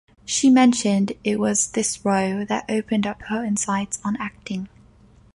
She mentioned it was this role that opened up her insights on acting.